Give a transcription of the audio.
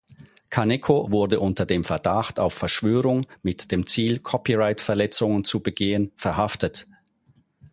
Kaneko wurde unter dem „Verdacht auf Verschwörung mit dem Ziel, Copyright-Verletzungen zu begehen“ verhaftet.